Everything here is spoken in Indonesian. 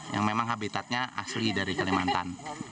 yang memang habitatnya asli dari kalimantan